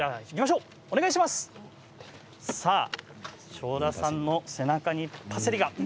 庄田さんの背中にパセリが。